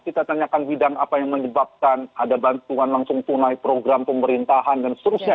kita tanyakan bidang apa yang menyebabkan ada bantuan langsung tunai program pemerintahan dan seterusnya